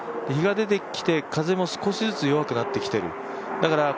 日が出てきて風も少しずつ弱くなってきている。